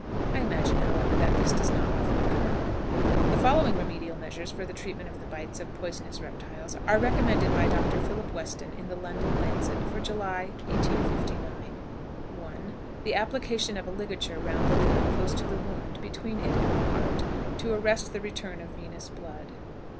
I imagine, however, that this does not often occur. The following remedial measures for the treatment of the bites of poisonous reptiles are recommended by Dr. Philip Weston in the London Lancet for July, 1859: 1. The application of a ligature round the limb close to the wound, between it and the heart, to arrest the return of venous blood.